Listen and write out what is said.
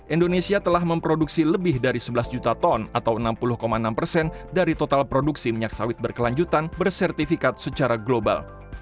indonesia telah memproduksi lebih dari sebelas juta ton atau enam puluh enam persen dari total produksi minyak sawit berkelanjutan bersertifikat secara global